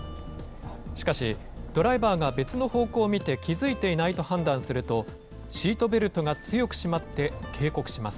しかし、ドライバーが別の方向を見て気付いていないと判断すると、シートベルトが強く締まって警告します。